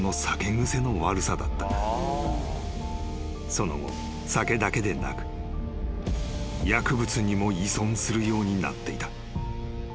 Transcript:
［その後酒だけでなく薬物にも依存するようになっていた］